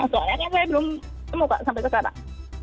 soalnya saya belum temukan sampai sekarang